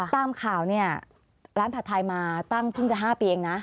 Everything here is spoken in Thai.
ตามข่าวเนี่ยร้านผัดไทยมาตั้งเพิ่งจะ๕ปีเองนะ